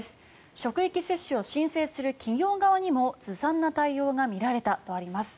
職域接種を申請する企業側にもずさんな対応が見られたとあります。